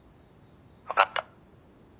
分かった。